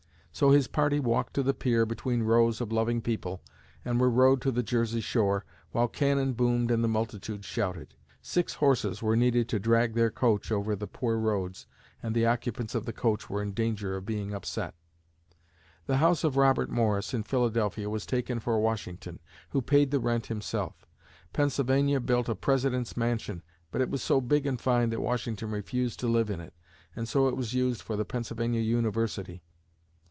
So his party walked to the pier between rows of loving people, and were rowed to the Jersey shore, while cannon boomed and the multitude shouted. Six horses were needed to drag their coach over the poor roads and the occupants of the coach were in danger of being upset. The house of Robert Morris, in Philadelphia, was taken for Washington, who paid the rent himself. Pennsylvania built a President's Mansion, but it was so big and fine that Washington refused to live in it, and so it was used for the Pennsylvania University.